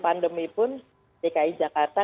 pandemi pun dki jakarta